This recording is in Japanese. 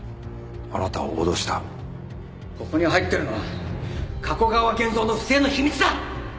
ここに入ってるのは加古川源蔵の不正の秘密だ！